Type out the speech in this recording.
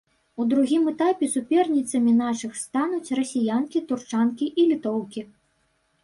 У другім этапе суперніцамі нашых стануць расіянкі, турчанкі і літоўкі.